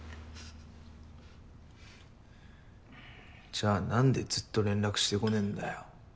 じゃあ何でずっと連絡してこねぇんだよ。